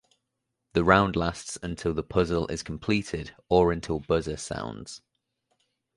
The round lasts until the puzzle is completed or until buzzer sounds.